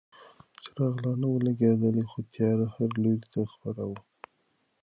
څراغ لا نه و لګېدلی خو تیاره هر لوري ته خپره وه.